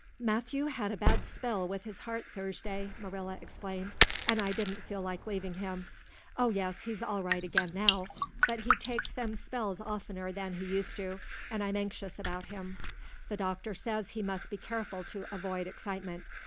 "Matthew had a bad spell with his heart Thursday," Marilla explained, "and I didn't feel like leaving him. Oh, yes, he's all right again now, but he takes them spells oftener than he used to and I'm anxious about him. The doctor says he must be careful to avoid excitement.